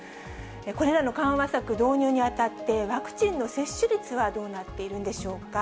これらの緩和策導入にあたって、ワクチンの接種率はどうなっているんでしょうか。